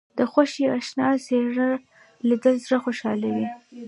د خوښۍ اشنا څېره لیدل زړه خوشحالوي